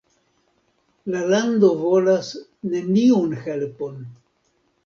La lando volas neniun helpon.